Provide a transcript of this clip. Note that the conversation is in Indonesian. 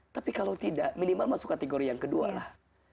tapi kalau tidak minimal masuk kategori yang kedua lah